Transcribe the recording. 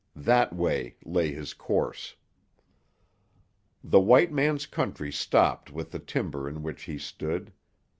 That way lay his course. The white man's country stopped with the timber in which he stood.